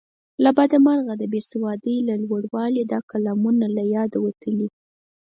له بده مرغه د بې سوادۍ لوړوالي دا کلامونه له یاده وتلي.